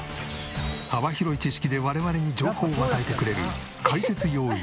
幅広い知識で我々に情報を与えてくれる。